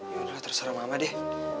yaudah terserah mama deh